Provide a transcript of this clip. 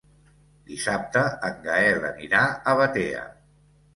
Dissabte en Gaël anirà a Batea.